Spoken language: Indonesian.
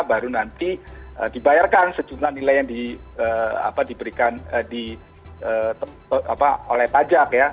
baru nanti dibayarkan sejumlah nilai yang diberikan oleh pajak ya